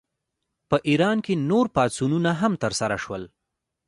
په ایران کې نور پاڅونونه هم ترسره شول.